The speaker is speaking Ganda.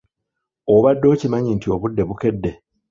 Obadde okimanyi nti obudde bukedde?